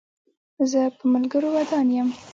زه په ملګرو ودان یم.